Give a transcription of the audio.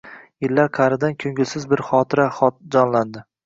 Yillar qa'ridan ko'ngilsiz bir xotira jonlandi.